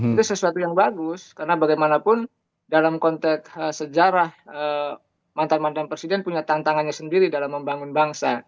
itu sesuatu yang bagus karena bagaimanapun dalam konteks sejarah mantan mantan presiden punya tantangannya sendiri dalam membangun bangsa